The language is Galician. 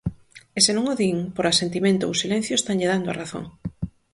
E, se non o din, por asentimento ou silencio estanlle dando a razón.